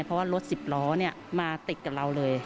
เพราะว่ารถสิบล้อมาติดกับเราเลย